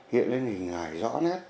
hiện lên hình hài rõ nét